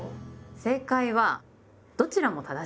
正解はどちらも正しいです！